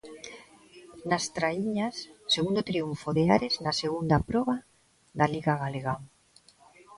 Nas traíñas, segundo triunfo de Ares na segunda proba da Liga Galega.